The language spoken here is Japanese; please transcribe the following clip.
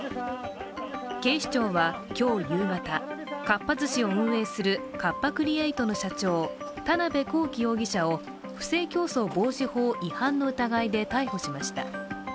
警視庁は今日夕方、かっぱ寿司を運営するカッパ・クリエイトの社長、田辺公己容疑者を不正競争防止法違反の疑いで逮捕しました。